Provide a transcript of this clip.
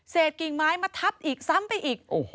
กิ่งไม้มาทับอีกซ้ำไปอีก